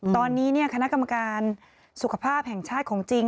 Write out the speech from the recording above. ตอนนี้คณะกรรมการสุขภาพแห่งชาติของจริง